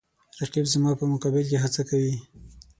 رقیب زما په مقابل کې هڅه کوي